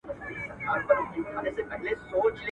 ټول زامن يې ښايسته لكه گلان وه.